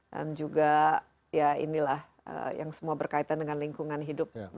dan juga ya inilah yang semua berkaitan dengan lingkungan hidup